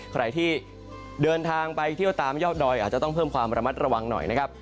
ใครที่เดินทางไปเที่ยวตามยอดดอยอาจจะต้องเพิ่มความระมัดระวังหน่อยนะครับ